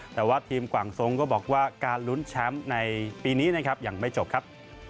แต่ว่าทีมกวางสงฆ์ก็บอกว่าการลุ้นแชมป์ในปีนี้อย่างไม่จบครับ